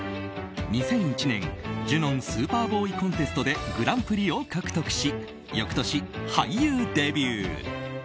２００１年、ジュノン・スーパーボーイ・コンテストでグランプリを獲得し翌年、俳優デビュー。